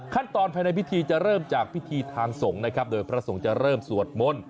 ภายในพิธีจะเริ่มจากพิธีทางสงฆ์นะครับโดยพระสงฆ์จะเริ่มสวดมนต์